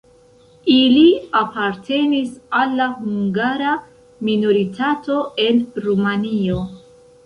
Ili apartenis al la hungara minoritato en Rumanio.